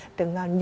tidak ada kondisi